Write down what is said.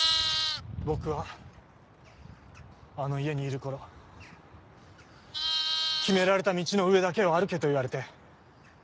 僕はあの家にいる頃。決められた道の上だけを歩けと言われて。